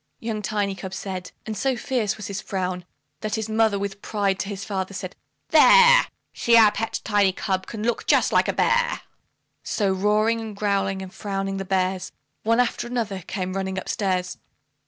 Young Tiny cub said, and so fierce was his frown, That his mother with pride to his father said, "There! See our pet Tiny cub can look just like a bear," So roaring, and growling, and frowning, the bears, One after the other, came running up stairs.